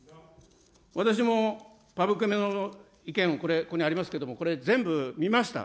私もパブコメの意見をこれ、ここにありますけれども、これ、全部見ました。